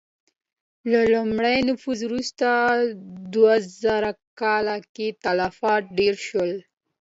له لومړي نفوذ وروسته دوه زره کاله کې تلفات ډېر شول.